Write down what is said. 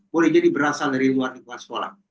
boleh jadi berasal dari luar lingkungan sekolah